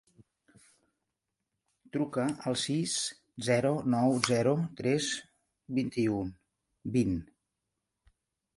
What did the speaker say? Truca al sis, zero, nou, zero, tres, vint-i-u, vint.